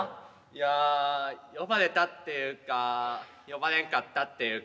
いや呼ばれたっていうか呼ばれんかったっていうか。